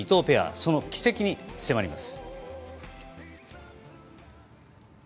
その軌跡に迫ります。